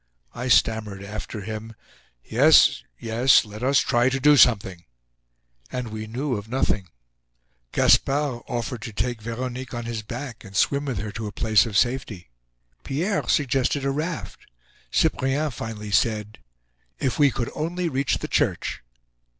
I stammered after him: "Yes, yes; let us try to do something." And we knew of nothing. Gaspard offered to take Veronique on his back and swim with her to a place of safety. Pierre suggested a raft. Cyprien finally said: "If we could only reach the church!"